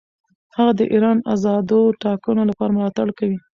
هغه د ایران آزادو ټاکنو لپاره ملاتړ کوي.